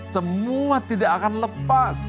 semua tidak akan lepas